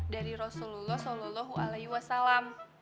dari rasulullah sallallahu alaihi wasallam